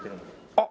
あっ！